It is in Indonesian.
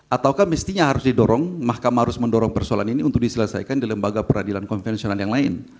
ataukah mestinya harus didorong mahkamah harus mendorong persoalan ini untuk diselesaikan di lembaga peradilan konvensional yang lain